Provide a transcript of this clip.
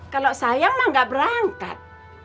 kalau sayang mak gak berangkat